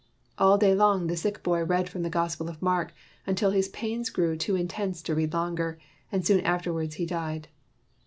All day long, the sick boy read from the Gospel of Mark, until his pains grew too in tense to read longer, and soon afterward he died.